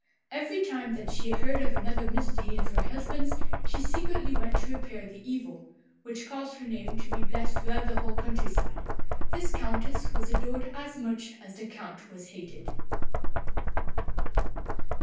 Every time that she heard of another misdeed of her husband's she secretly went to repair the evil, which caused her name to be blessed throughout the whole country side. This Countess was adored as much as the Count was hated.